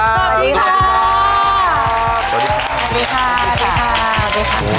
สวัสดีค่ะสวัสดีค่ะสวัสดีค่ะสวัสดีค่ะสวัสดีค่ะ